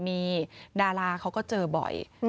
มีดาราเขาก็เจอบ่อย